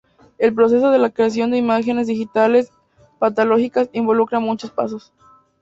El proceso de la creación de imágenes digitales patológicas involucra muchos pasos.